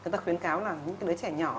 ta khuyến cáo là những cái đứa trẻ nhỏ